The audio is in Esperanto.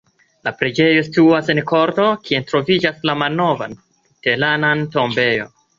La preĝejo situas en korto, kie troviĝas la malnova luterana tombejo.